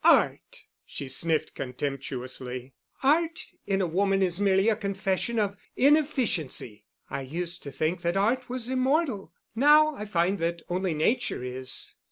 Art!" she sniffed contemptuously. "Art in a woman is merely a confession of inefficiency. I used to think that Art was immortal. Now I find that only Nature is."